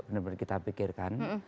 benar benar kita pikirkan